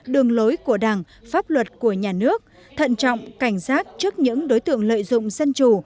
đường lối của đảng pháp luật của nhà nước thận trọng cảnh giác trước những đối tượng lợi dụng dân chủ